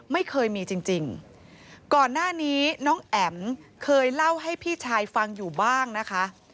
ไม่เคยมีจริงก่อนหน้านี้น้องแอ๋มเคยเล่าให้พี่ชายฟังอยู่บ้างนะคะ